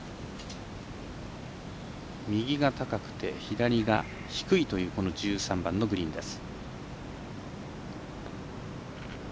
右が高くて左が低いというこの１３番のグリーンです。